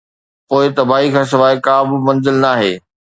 پوءِ تباهي کان سواءِ ڪا به منزل ناهي.